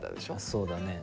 そうだね。